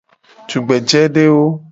Tugbejedewo.